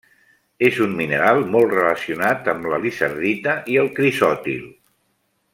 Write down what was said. És un mineral molt relacionat amb la lizardita i el crisòtil.